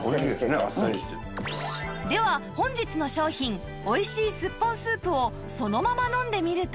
では本日の商品美味しいすっぽんスープをそのまま飲んでみると